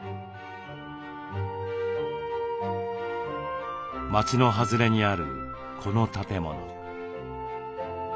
町の外れにあるこの建物。